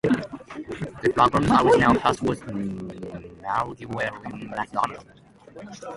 The program's original host was Marguerite McDonald.